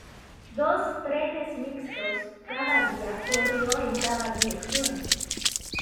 Dos trenes mixtos cada día corrió en cada dirección.